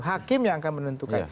hakim yang akan menentukan